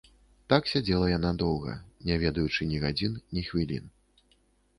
Так сядзела яна доўга, не ведаючы ні гадзін, ні хвілін.